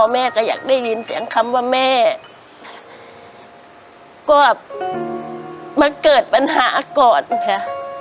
แม่ก็อยากได้ยินเสียงคำว่าแม่ก็มาเกิดปัญหาก่อนค่ะ